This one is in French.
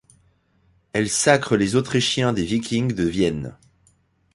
Elle sacre les Autrichiens des Vikings de Vienne.